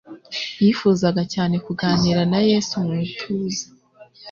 yifuzaga cyane kuganira na Yesu mu ituza.